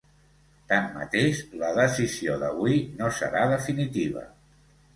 Tanmateix, la decisió d’avui no serà definitiva.